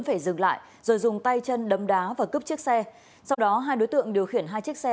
phải dừng lại rồi dùng tay chân đấm đá và cướp chiếc xe sau đó hai đối tượng điều khiển hai chiếc xe